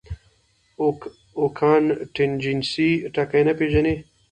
او کانټنجنسي ټکے نۀ پېژني -